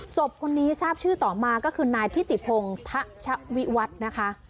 ศพคนนี้ทราบชื่อต่อมาก็คือนายทิติพงทะชวิวัฒน์นะคะ